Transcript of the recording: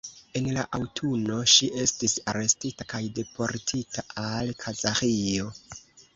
En la aŭtuno ŝi estis arestita kaj deportita al Kazaĥio.